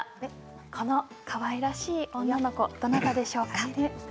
このかわいらしい女の子どなたでしょうか？